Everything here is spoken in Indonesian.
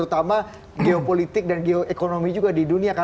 teluk dan juga di dunia